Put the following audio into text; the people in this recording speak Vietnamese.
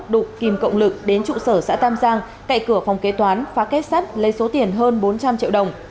đục kìm cộng lực đến trụ sở xã tam giang cậy cửa phòng kế toán phá kết sắt lấy số tiền hơn bốn trăm linh triệu đồng